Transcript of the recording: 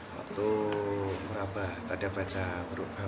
waktu merabah tak dapat saya berubah